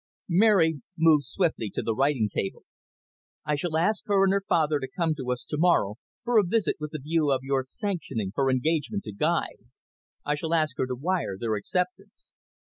Mary moved swiftly to the writing table. "I shall ask her and her father to come to us to morrow for a visit with the view of your sanctioning her engagement to Guy. I shall ask her to wire their acceptance."